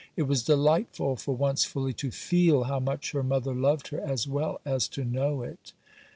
It was delightful for once fully to feel how much her mother loved her, as well as to know it.